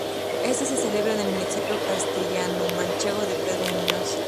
Este se celebra en el municipio castellanomanchego de Pedro Muñoz.